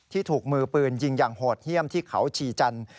ถูกมือปืนยิงอย่างโหดเยี่ยมที่เขาชีจันทร์